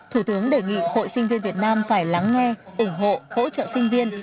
thủ tướng đề nghị hội sinh viên việt nam phải lắng nghe ủng hộ hỗ trợ sinh viên